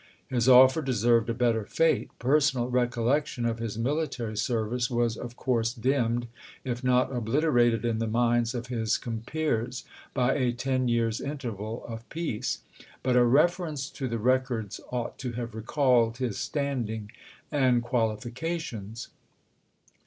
His offer deserved a better fate. Per sonal recollection of his military service was of coui'se dimmed, if not obliterated, in the minds of his compeers, by a ten years' interval of peace, but a reference to the records ought to have recalled his standing and qualifications.